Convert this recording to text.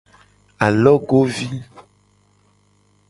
Alogovi.